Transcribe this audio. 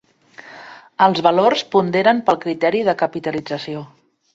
Els valors ponderen pel criteri de capitalització.